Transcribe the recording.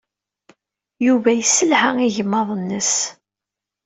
Yuba yesselha igmaḍ-nnes.